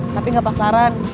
tapi gak pasaran